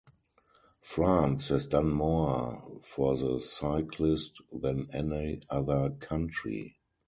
France has done more for the cyclist than any other country.